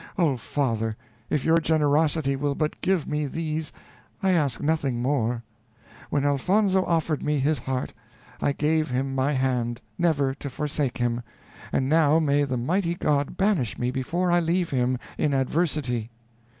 Oh, father! if your generosity will but give me these, I ask nothing more. When Elfonzo offered me his heart, I gave him my hand, never to forsake him, and now may the mighty God banish me before I leave him in adversity.